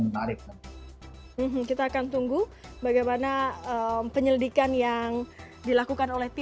menarik kita akan tunggu bagaimana penyelidikan yang dilakukan oleh